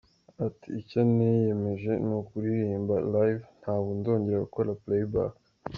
Ati :« Icyo niyemeje ni ukuririmba live, ntabwo nzongera gukora playback.